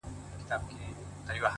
څوک چي له گلاب سره ياري کوي-